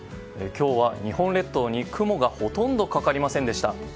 今日は日本列島に雲がほとんどかかりませんでした。